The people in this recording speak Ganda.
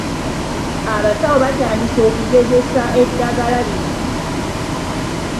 Abasawo batandise okugezesa eddagala lino.